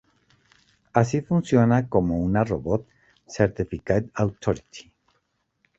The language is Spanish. Así funciona como una robot certificate authority.